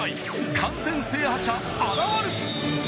完全制覇者現る！